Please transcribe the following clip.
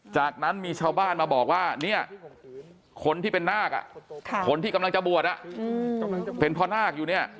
จากนั้นมีชาวบ้านมาบอกว่าเนี่ยคนที่เป็นนาคคนที่กำลังจะบวชเป็นพ่อนาคอยู่เนี่ย